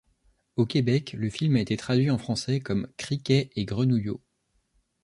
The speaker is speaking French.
Au Québec, le film a été traduit en Français comme Criquet et Grenouillot.